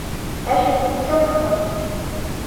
— Ә һин кем һуң ул?